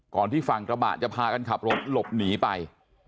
ที่ฝั่งกระบะจะพากันขับรถหลบหนีไป